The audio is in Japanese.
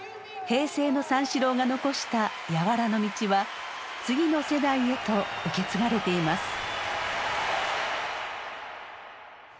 平成の三四郎が残した柔の道は次の世代へと受け継がれています。